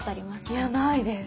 いやないです。